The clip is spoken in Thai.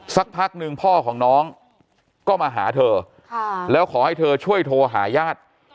สักพักหนึ่งพ่อของน้องก็มาหาเธอแล้วขอให้เธอช่วยโทรหาญาติ